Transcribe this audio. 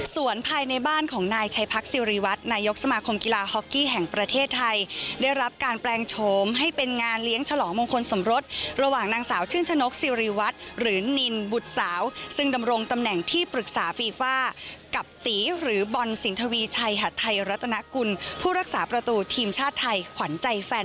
ส่วนภายในบ้านของนายชัยพักซิริวัตรนายกสมาคมกีฬาฮอกกี้แห่งประเทศไทยได้รับการแปลงโฉมให้เป็นงานเลี้ยงฉลองมงคลสมรสระหว่างนางสาวชื่นชนกซิริวัตรหรือนินบุตรสาวซึ่งดำรงตำแหน่งที่ปรึกษาฟีฟ่ากับตีหรือบอลสินทวีชัยหัดไทยรัฐนากุลผู้รักษาประตูทีมชาติไทยขวัญใจแฟน